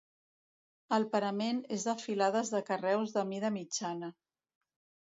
El parament és de filades de carreus de mida mitjana.